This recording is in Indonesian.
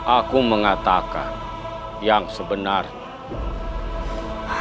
aku mengatakan yang sebenarnya